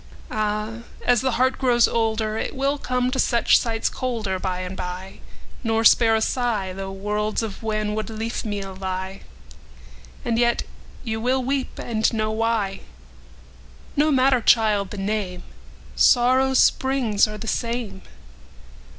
Áh! ás the heart grows olderIt will come to such sights colderBy and by, nor spare a sighThough worlds of wanwood leafmeal lie; And yet you wíll weep and know why. Now no matter, child, the name:Sórrow's spríngs áre the same.